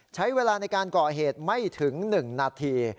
ใช้เวลาในการก่อเหตุไม่ถึง๑นาที